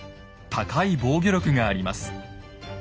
高い防御力があります。